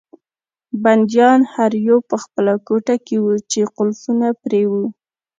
بندیان هر یو په خپله کوټه کې وو چې قلفونه پرې وو.